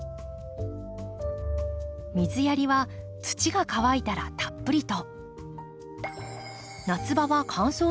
水やりは土が乾いたらたっぷりと。